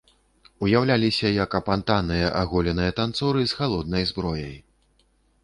Уяўляліся як апантаныя аголеныя танцоры з халоднай зброяй.